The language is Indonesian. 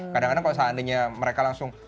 kadang kadang kalau seandainya mereka langsung